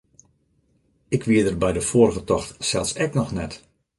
Ik wie der by de foarige tocht sels ek noch net.